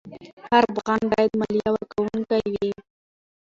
هر افغان باید مالیه ورکوونکی وي.